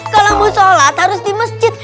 kalau mau sholat harus di masjid